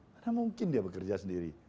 karena mungkin dia bekerja sendiri